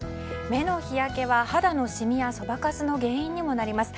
目の日焼けは肌のシミや、そばかすの原因にもなります。